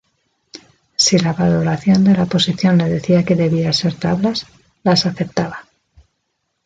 Si la valoración de la posición le decía que debía ser tablas, las aceptaba.